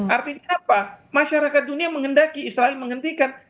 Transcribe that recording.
artinya apa masyarakat dunia menghendaki israel menghentikan